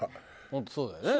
本当そうだよね。